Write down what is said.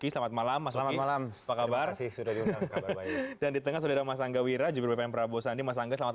selamat malam assalamualaikum